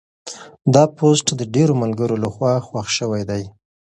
دا پوسټ د ډېرو ملګرو لخوا خوښ شوی دی.